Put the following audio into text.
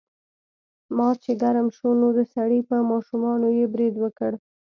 مار چې ګرم شو نو د سړي په ماشومانو یې برید وکړ.